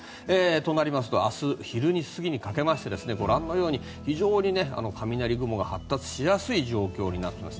となると明日昼過ぎにかけてご覧のように非常に雷雲が発達しやすい状況になっています。